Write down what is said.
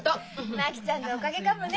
真紀ちゃんのおかげかもね。